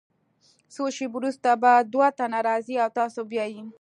څو شیبې وروسته به دوه تنه راځي او تاسو بیایي.